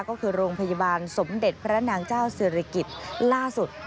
ก็คือโรงพยาบาลสมเด็จพระนางเจ้าศิริกิจล่าสุด